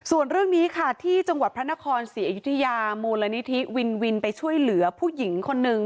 ส่วนเรื่องนี้ค่ะที่จังหวัดพระนครศรีอยุธยามูลนิธิวินวินไปช่วยเหลือผู้หญิงคนนึง